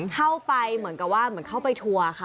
เข้าไปเหมือนกับว่าเหมือนเข้าไปทัวร์ค่ะ